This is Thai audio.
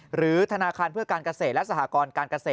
หรือธนาคารเพื่อการเกษตรและสหกรการเกษตร